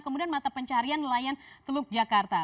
kemudian mata pencarian nelayan teluk jakarta